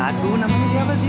aduh namanya siapa sih